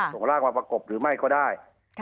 ส่งร่างมาประกบหรือไม่ก็ได้